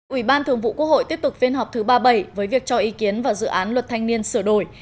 ủy ban thường vụ quốc hội tiếp tục phiên họp thứ ba mươi bảy với việc cho ý kiến vào dự án luật thanh niên sửa đổi